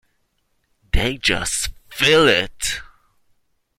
They just feel it.